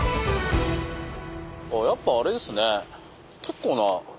やっぱあれですね。